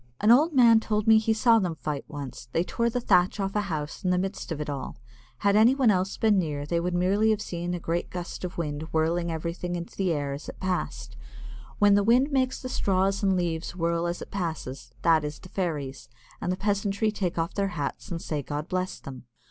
An old man told me he saw them fight once; they tore the thatch off a house in the midst of it all. Had anyone else been near they would merely have seen a great wind whirling everything into the air as it passed. When the wind makes the straws and leaves whirl as it passes, that is the fairies, and the peasantry take off their hats and say, "God bless them."